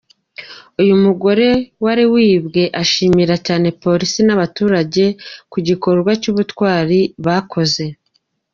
Uyu mugore wari wibwe ashimira cyane polisi n’abaturage ku gikorwa cy’ubutwari bakoze.